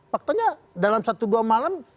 faktanya dalam satu dua malam